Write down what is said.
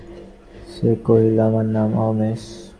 সে কহিল, আমার নাম উমেশ।